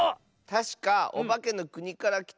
たしかオバケのくにからきた。